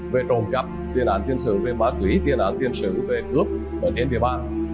về trồn cặp tiền án tuyên sử về ma túy tiền án tuyên sử về cướp ở trên địa bàn